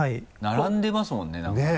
並んでますもんね何かね。